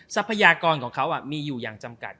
ทรัพยากรของเขามีอยู่อย่างจำกัด